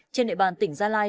trên địa bàn tỉnh gia lai